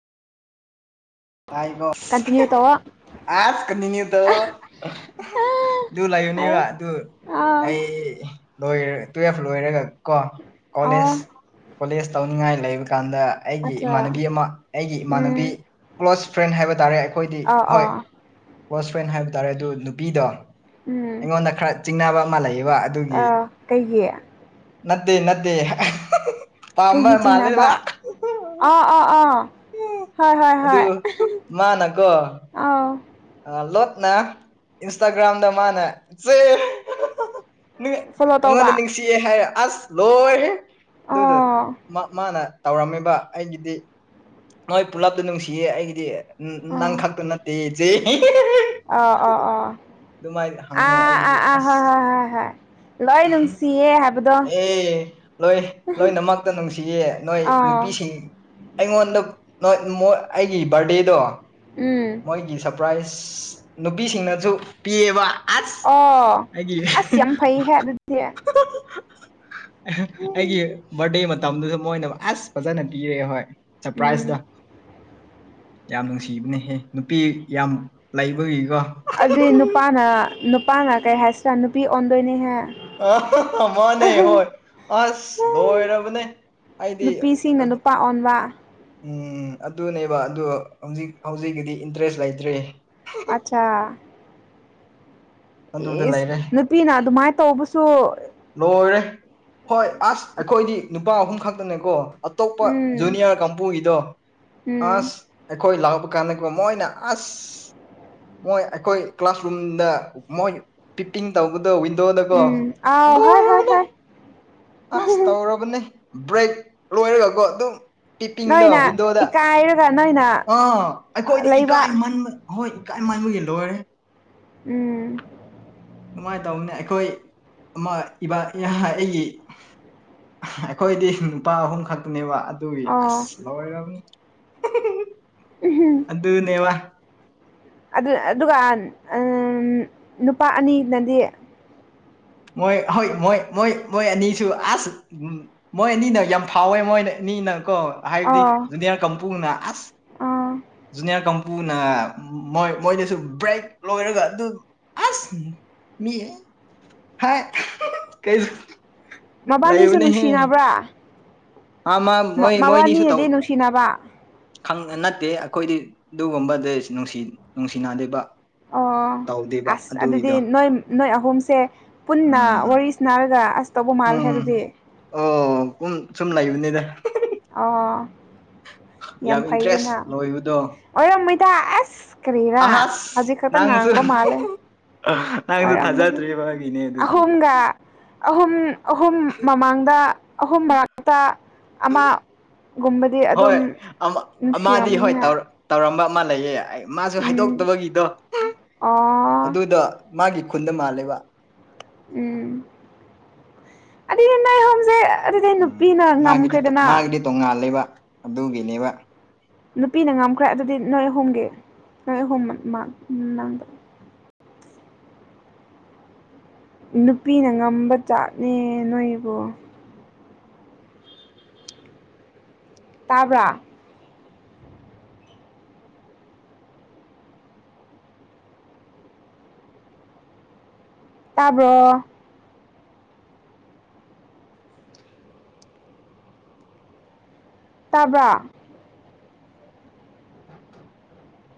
ꯇꯥꯏ ꯀꯣ ꯀꯟꯇꯤꯅ꯭ꯌꯨ ꯇꯧꯑꯣ ꯑꯁ ꯀꯅꯤꯉ ꯇ ꯑꯗꯨ ꯍꯥꯏꯌꯣ ꯂꯩꯌꯨꯅꯦꯕ ꯑꯗꯨ ꯑꯥ ꯑꯩ ꯂꯣꯏꯔ ꯇꯨꯋꯦꯜꯐ ꯂꯣꯏꯔꯒ ꯀꯣ ꯑꯣ ꯀꯣꯂꯦꯖ ꯀꯣꯂꯦꯖ ꯇꯧꯅꯤꯡꯉꯥꯏ ꯂꯩꯕ ꯀꯥꯟꯗ꯫ ꯑꯩꯒꯤ ꯑꯠꯆꯥ ꯏꯃꯥꯟꯅꯕꯤ ꯑꯃ ꯑꯩꯒꯤ ꯏꯃꯥꯟꯅꯕꯤ꯫ ꯎꯝ ꯀ꯭ꯂꯣꯁ ꯐ꯭ꯔꯦꯟ ꯍꯥꯏꯕ ꯇꯥꯔꯦ ꯑꯩꯈꯣꯏꯗꯤ ꯑꯥ ꯍꯣꯏ ꯑꯥ ꯀ꯭ꯂꯣꯁ ꯐ꯭ꯔꯦꯟ ꯍꯥꯏꯕ ꯇꯥꯔꯦ ꯑꯗꯨ ꯅꯨꯄꯤꯗꯣ ꯎꯝ ꯑꯩꯉꯣꯟꯗ ꯈꯔ ꯆꯤꯡꯅꯕ ꯑꯃ ꯂꯩꯌꯦꯕ ꯑꯗꯨꯒꯤ ꯑꯥ ꯀꯩꯒꯤ ꯅꯠꯇꯦ ꯅꯠꯇꯦ ꯄꯥꯝꯕ ꯀꯩꯒꯤ ꯆꯤꯡꯅꯕ ꯃꯥꯜꯂꯦꯕ ꯑꯥ ꯑꯥ ꯑꯥ ꯍꯣꯏ ꯍꯣꯏ ꯑꯗꯨ ꯍꯣꯏ ꯑ ꯑ ꯂꯣꯠꯅ ꯏꯟꯁꯇꯥꯒ꯭ꯔꯥꯝꯗ ꯃꯥꯅ ꯏꯆꯦ ꯐꯣꯂꯣ ꯇꯧꯕ ꯅꯉꯣꯟꯗ ꯅꯤꯡꯁꯤꯑꯦ ꯍꯥꯏꯔꯦ ꯑꯁ ꯂꯣꯏꯔꯦ ꯑꯗꯨꯗ ꯑꯣ ꯃꯥꯅ ꯇꯧꯔꯝꯃꯤꯕ ꯑꯩꯒꯤꯗꯤ ꯅꯣꯏ ꯄꯨꯂꯞꯇ ꯅꯨꯡꯁꯤꯌꯦ ꯑꯩꯒꯤꯗꯤ ꯅꯪ ꯈꯛꯇ ꯅꯠꯇꯦ ꯑ ꯑꯣ ꯑꯣ ꯑꯗꯨꯃꯥꯏꯅ ꯍꯪꯉꯦ ꯑꯥ ꯑꯥ ꯑꯩꯒꯤꯗꯤ ꯑꯥ ꯍꯥ ꯑꯁ ꯍꯥ ꯍꯥ ꯍꯥ ꯂꯣꯏ ꯅꯨꯡꯁꯤꯌꯦ ꯍꯥꯏꯕꯗꯣ ꯑꯦ ꯂꯣꯏ ꯂꯣꯏꯅꯃꯛꯇ ꯅꯨꯡꯁꯤꯌꯦ ꯅꯣꯏ ꯑꯥ ꯅꯨꯄꯤꯁꯤꯡ ꯑꯩꯉꯣꯟꯗ ꯅꫭꯏ ꯃꫭꯏ ꯑꯩꯒꯤ ꯕꯥꯔꯗꯦꯗꯣ ꯎꯝ ꯃꯣꯏꯒꯤ ꯁꯔꯄ꯭ꯔꯥꯏꯁ ꯅꯨꯄꯤꯁꯤꯡꯅꯁꯨ ꯄꯤꯌꯦꯕ ꯑꯁ ꯑꯣ ꯑꯩꯒꯤ ꯑꯁ ꯌꯥꯝ ꯐꯩꯍꯦ ꯑꯗꯨꯗꯤ ꯑꯩꯒꯤ ꯔꯗꯦ ꯃ ꯃꯇꯝꯗꯨꯁꯨ ꯃꯣꯏꯅ ꯑꯁ ꯐꯖꯅ ꯄꯤꯔꯛꯑꯦ ꯍꯣꯏ ꯁꯔꯄ꯭ꯔꯥꯏꯖꯇ ꯎꯝ ꯌꯥꯝ ꯅꯨꯡꯁꯤꯕꯅꯦꯍꯦ ꯅꯨꯄꯤ ꯌꯥꯝ ꯂꯩꯕꯒꯤꯀꯣ ꯑꯗꯨꯏ ꯅꯨꯄꯥꯅ ꯅꯨꯄꯥꯅ ꯀꯩ ꯍꯥꯏꯁꯤꯔꯥ ꯅꯨꯄꯤ ꯑꯣꯟꯗꯣꯏꯅꯤꯍꯦ ꯑ ꯃꯥꯅꯦ ꯍꯣꯏ ꯑꯁ ꯂꯣꯏꯔꯕꯅꯦ ꯍꯥꯏꯗꯤ ꯅꯨꯄꯤꯁꯤꯡꯅ ꯅꯨꯄꯥ ꯑꯣꯟꯕ ꯎꯝ ꯑꯗꯨꯅꯦꯕ ꯑꯗꯣ ꯍꯧꯖꯤꯛ ꯍꯧꯖꯤꯛꯀꯤꯗꯤ ꯏꯟꯇꯔꯦꯁ ꯂꯩꯇ꯭ꯔꯔꯤ ꯑꯆꯥ ꯑꯗꯨꯗ ꯑꯦꯁ ꯂꯩꯔꯦ ꯅꯨꯄꯤꯅ ꯑꯗꯨꯃꯥꯏꯅ ꯇꯧꯕꯁꯨ ꯂꯣꯏꯔꯦ ꯍꯣꯏ ꯑꯁ ꯑꯩꯈꯣꯏꯗꯤ ꯅꯨꯄꯥ ꯑꯍꯨꯝ ꯈꯛꯇꯅꯦꯀꯣ ꯑꯇꯣꯞꯄ ꯎꯝ ꯖꯨꯅꯤꯌꯔ ꯀꯥꯡꯕꯨꯒꯤꯗꯣ ꯎꯝ ꯑꯁ ꯑꯈꯣꯏ ꯂꯥꯛꯄ ꯀꯥꯟꯗꯀꫭ ꯃꯣꯏꯅ ꯑꯁ ꯃꯣꯏ ꯑꯩꯈꯣꯏ ꯀ꯭ꯂꯥꯁꯔꯨꯝꯗ ꯃꯣꯏ ꯄꯤꯄꯤꯡ ꯇꯧꯕꯗꯣ ꯋꯤꯟꯗꯣꯗꯀꯣ ꯎꯝ ꯑꯥꯎ ꯍ ꯍ ꯂꯣꯏꯔꯕꯅꯦ ꯍ ꯑꯁ ꯇꯧꯔꯕꯅꯦ ꯕ꯭ꯔꯦꯛ ꯂꯣꯏꯔꯒꯀꯣ ꯑꯗꯨꯝ ꯄꯤꯄꯤꯡꯗꯣ ꯅꯣꯏꯅ ꯋꯤꯟꯗꯣꯗ ꯏꯀꯥꯏꯔꯒ ꯅꯣꯏꯅ ꯑꯥ ꯑꯩꯈꯣꯏꯗꯤ ꯂꯩꯕ ꯏꯀꯥꯏꯃꯟꯕ ꯑꯍꯣꯏ ꯏꯀꯥꯏ ꯃꯥꯏꯒꯤ ꯂꯣꯏꯔꯦ ꯎꯝ ꯁꯨꯃꯥꯏ ꯇꯧꯕꯅ‌ꯦ ꯑꯈꯣꯏ ꯑꯃ ꯏ ꯑꯩꯒꯤ ꯑꯩꯈꯣꯏꯗꯤ ꯅꯨꯄꯥ ꯑꯍꯨꯝ ꯈꯛꯇꯅꯦꯕ ꯑꯗꯨꯒꯤ ꯑꯁ ꯑꯣ ꯂꯣꯏꯔꯕꯅꯤ [unintelligible] ꯑꯗꯨꯅꯦꯕ ꯑꯗꯨ ꯑꯗꯨꯒ ꯑꯥ ꯅꯨꯄꯥ ꯑꯅꯤꯅꯗꯤ ꯃꯣꯏ ꯍꯣꯏ ꯃꯣꯏ ꯃꯣꯏ ꯃꯣꯏ ꯑꯅꯤꯁꯨ ꯑꯁ ꯎ ꯃꯣꯏ ꯑꯅꯤꯅ ꯌꯥꯝ ꯐꯥꯎꯋꯦ ꯃꯣꯏ ꯑꯅꯤꯅ ꯀꯣ ꯍꯥꯏꯕꯗꯤ ꯑꯣ ꯖꯨꯅꯤꯌꯥꯔ ꯀꯥꯡꯄꯨꯅ ꯑꯁ ꯑꯣ ꯖꯨꯅꯤꯌꯥꯔ ꯀꯝꯄꯨꯅ ꯃꯣꯏ ꯃꯣꯏꯗꯁꯨ ꯕ꯭ꯔꯦꯛ ꯂꯣꯏꯔꯒ ꯑꯗꯨ ꯑꯁ ꯃꯤ ꯍꯥꯏ ꯀꯩ ꯃꯕꯥꯅꯤꯁꯨ ꯅꯨꯡꯁꯤꯅꯕ꯭ꯔꯥ ꯑ ꯃꯥ ꯃ ꯃꯣꯏꯅꯤꯁꯨꯨ ꯇꯧ ꯃꯕꯥꯅꯤꯅꯗꯤ ꯅꯨꯡꯁꯤꯅꯕ ꯅꯠꯇꯦ ꯑꯩꯈꯣꯏꯗꯤ ꯑꯗꯨꯒꯨꯝꯕꯗꯤꯅꯨꯡ ꯅꯨꯡꯁꯤꯅꯗꯦꯕ ꯑꯣ ꯇꯧꯗꯦꯕ ꯑꯁ ꯑꯗꯨꯗꯤ ꯑꯗꯨꯒꯤꯗꯣ ꯅꯣꯏ ꯅꯣꯏ ꯑꯍꯨꯝꯁꯦ ꯄꯨꯟꯅ ꯎꯝ ꯋꯥꯔꯤ ꯅꯥꯔꯒ ꯑꯁ ꯇꯧꯕ ꯃꯥꯜꯂꯦ ꯎꯝ ꯍꯥꯏꯗꯨꯗꯤ ꯑꯣ ꯎꯝ ꯁꯨꯝ ꯂꯩꯕꯅꯤꯗ ꯑ ꯌꯥꯝ ꯏꯟꯇꯔꯦꯁ ꯂꯣꯏꯕꯗꯣ ꯑꯣꯏꯔꯝ ꯃꯣꯏꯗ ꯑꯁ ꯀꯔꯤꯔꯥ ꯑꯍꯁ ꯍꯧꯖꯤꯛ ꯈꯛꯇ ꯅꯪꯁꯨ ꯉꯥꯡꯕ ꯃꯥꯜꯂꯦ ꯅꯪꯁꯨ ꯑꫭꯏꯔꯝ ꯃꫭꯏꯍ‌ꯦ ꯊꯥꯖꯗ꯭ꯔꯤꯕꯒꯤꯅꯦ ꯑꯗꯨꯗꯤ ꯑꯍꯣꯝꯒ ꯑꯍꯨꯝ ꯑꯍꯨꯝ ꯃꯃꯥꯡꯗ ꯑꯍꯨꯝ ꯃꯔꯛꯇ ꯑꯃ ꯨꯒꯨꯝꯕ ꯍꯣꯏ ꯑꯝ ꯑꯥꯃꯥꯗꯤ ꯍꯣꯏ ꯇꯧ ꯇꯧꯔꯝꯕ ꯑꯃ ꯂꯩꯌꯦ ꯑꯩ ꯃꯥꯁꯨ ꯎꯝ ꯍꯥꯏꯗꯣꯛꯇꯕꯒꯤꯗꯣ ꯑꯣ ꯑꯗꯨꯗ ꯃꯥꯒꯤ ꯈꯨꯟꯗ ꯃꯥꯜꯂꯦꯕ ꯎꯝ ꯑꯗꯨ ꯅꯣꯏ ꯑꯥꯍꯣꯝꯁꯦ ꯑꯗꯨ ꯄꯤꯅ ꯉꯝꯈ꯭ꯔ‌ꯦꯗꯅ ꯇꯣꯉꯥꯜꯂꯤꯕ ꯑꯗꯨꯒꯤꯅꯦꯕ ꯅꯨꯄꯤꯅ ꯉꯝꯈ꯭ꯔꯦ ꯑꯗꯨꯗꯤ ꯅꯣꯏ ꯑꯍꯨꯝꯒꯤ ꯅꯣꯏ ꯑꯍꯨꯝꯃꯥꯛ ꯅꯨꯄꯤꯅ ꯉꯝꯕ ꯆꯥꯠꯅꯦ ꯅꯣꯏꯕꯨ ꯇꯥꯕ꯭ꯔꯥ ꯇꯥꯕ꯭ꯔꯣ ꯇꯥꯕ꯭ꯔ